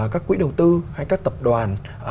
các quỹ đầu tư hay các tập đoàn